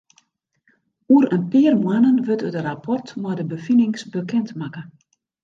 Oer in pear moannen wurdt it rapport mei de befinings bekend makke.